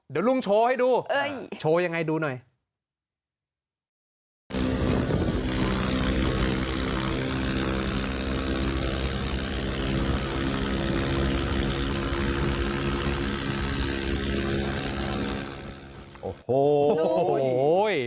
เดี๋ยวลุงโชว์ให้ดูโชว์ยังไงดูหน่อย